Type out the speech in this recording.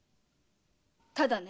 ただね。